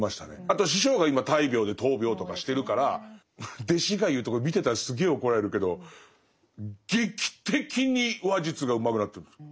あと師匠が今大病で闘病とかしてるから弟子が言うとこれ見てたらすげえ怒られるけど劇的に話術がうまくなってるんです。